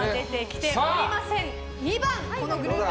２番、このグループ。